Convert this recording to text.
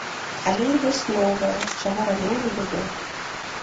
Але і ёсць новае, чаго раней не было.